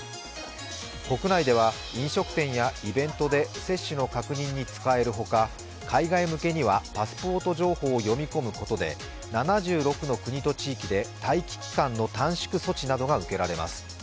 国内では飲食店やイベントで接種の確認に使えるほか、海外向けにはパスポート情報を読み込むことで７６の国と地域で待機期間の短縮措置などが受けられます。